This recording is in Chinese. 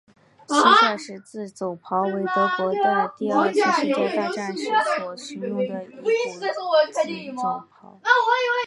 蟋蟀式自走炮为德国在第二次世界大战时所使用的一款自走炮。